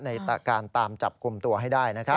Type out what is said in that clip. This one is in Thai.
ในการตามจับกลุ่มตัวให้ได้นะครับ